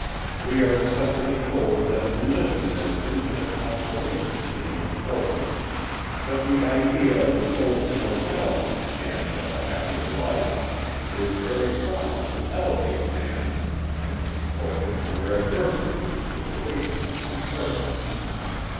We are incessantly told, that religion has infinite consolations for the unfortunate, that the idea of the soul's immortality, and of a happier life, is very proper to elevate man, and to support him under adversity, which awaits him upon earth.